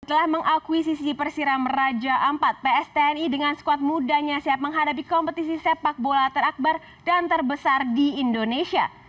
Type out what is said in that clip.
setelah mengakuisisi persiram raja ampat pstni dengan skuad mudanya siap menghadapi kompetisi sepak bola terakbar dan terbesar di indonesia